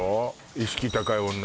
意識高い女？